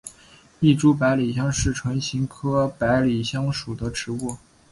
异株百里香是唇形科百里香属的植物。